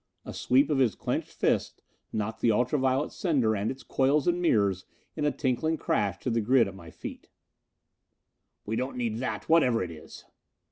A sweep of his clenched fist knocked the ultra violet sender and its coils and mirrors in a tinkling crash to the grid at my feet. "We don't need that, whatever it is!"